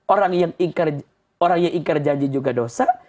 orang yang ingkar janji juga dosa